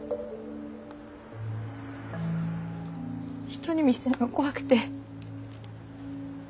人に見せんの怖くて。